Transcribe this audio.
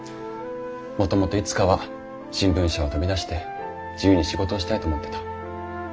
もともといつかは新聞社を飛び出して自由に仕事をしたいと思ってた。